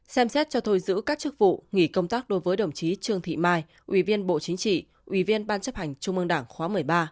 ba xem xét cho thôi giữ các chức vụ nghỉ công tác đối với đồng chí trương thị mai ủy viên bộ chính trị ủy viên ban chấp hành trung ương đảng khóa một mươi ba